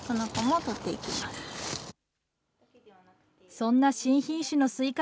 そんな新品種のスイカ